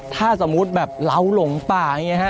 ถ้าสมมุติแบบเราหลงป่าอย่างนี้ฮะ